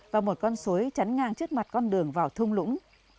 và một con suối chắn ngang trước mặt con đường vào thung lũng